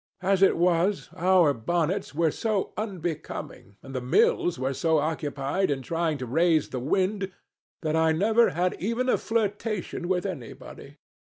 As it was, our bonnets were so unbecoming, and the mills were so occupied in trying to raise the wind, that I never had even a flirtation with anybody.